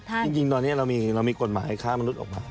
จริงตอนนี้เรามีกฎหมายค้ามนุษย์ออกมา